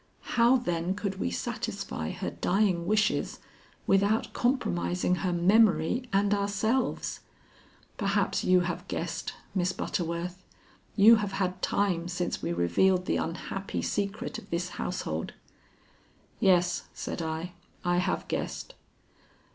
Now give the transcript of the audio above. How, then, could we satisfy her dying wishes without compromising her memory and ourselves? Perhaps you have guessed, Miss Butterworth. You have had time since we revealed the unhappy secret of this household." "Yes," said I. "I have guessed."